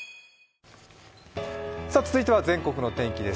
続いては全国の天気です。